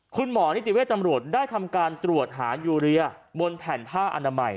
นิติเวทตำรวจได้ทำการตรวจหายูเรียบนแผ่นผ้าอนามัย